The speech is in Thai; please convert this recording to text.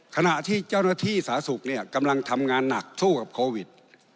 ขณะที่เจ้าหน้าที่สาธารณสุขเนี่ยกำลังทำงานหนักสู้กับโควิด